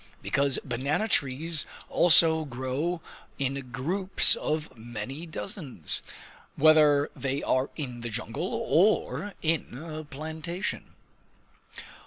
Because banana trees always grow in groups of many dozens, whether they are in the jungle or in a plantation.